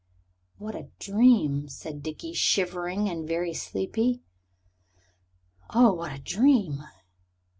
"What a dream!" said Dickie, shivering, and very sleepy. "Oh, what a dream!"